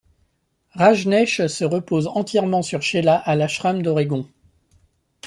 Rajneesh se repose entièrement sur Sheela à l’ashram d'Oregon.